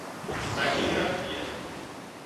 taquigrafia